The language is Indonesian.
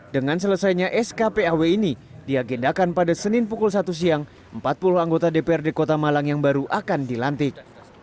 dengan selesainya skpaw ini diagendakan pada senin pukul satu siang empat puluh anggota dprd kota malang yang baru akan dilantik